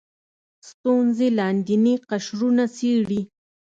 ستونزې لاندیني قشرونه څېړي